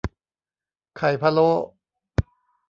ไข่พะโล้